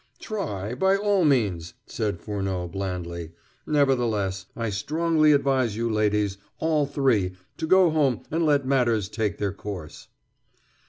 "Try, by all means," said Furneaux blandly. "Nevertheless, I strongly advise you ladies, all three, to go home and let matters take their course."